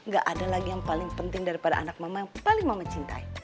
gak ada lagi yang paling penting daripada anak mama yang paling mama cintai